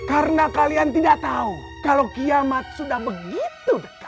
karena kalian tidak tahu kalau kiamat sudah begitu dekat